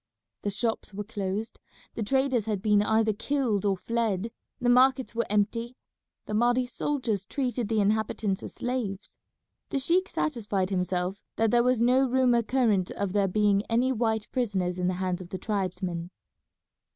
The shops were closed, the traders had been either killed or fled, the markets were empty; the Mahdi's soldiers treated the inhabitants as slaves. The sheik satisfied himself that there was no rumour current of there being any white prisoners in the hands of the tribesmen.